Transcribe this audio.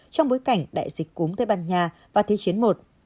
trong bối cảnh đại dịch cúm tây ban nha và thế chiến i